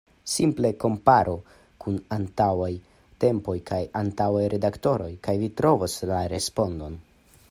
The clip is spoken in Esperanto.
Simple komparu kun antauaj tempoj kaj antauaj redaktoroj kaj vi trovos la respondon.